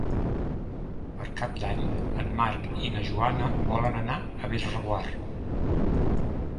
Per Cap d'Any en Marc i na Joana volen anar a Bellreguard.